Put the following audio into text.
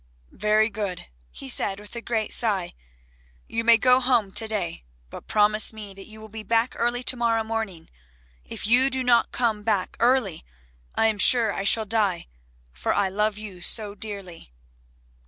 "Very good," he said with a great sigh, "you may go home to day, but promise me that you will be back early to morrow morning. If you do not come back early I am sure I shall die for I love you so dearly."